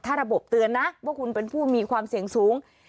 ถ้าระบบเตือนนะว่าคุณเป็นผู้มีความเสี่ยงสูง